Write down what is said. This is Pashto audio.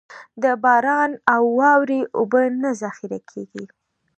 د باران او واورې اوبه نه ذخېره کېږي.